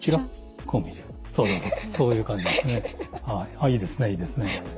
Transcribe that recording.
あっいいですねいいですね。